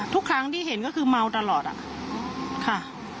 ทุกครั้งที่เห็นก็คือเมาตลอดอะค่ะ